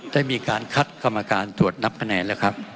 ได้มีการคัดกรรมการตรวจนับคะแนนแล้วครับ